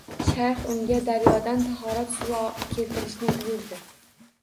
Shayx unga daryodan tahorat suvi keltirishni buyurdi